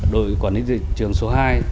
đội quản lý thị trường số hai